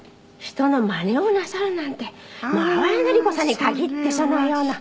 人のマネをなさるなんて淡谷のり子さんにかぎってそのような。